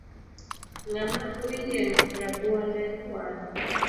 Ngama oyieng rabuonde wang